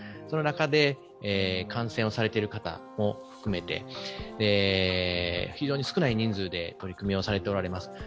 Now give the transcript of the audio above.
その中で感染をされている方も含めて非常に少ない人数で取り組みをされておられます。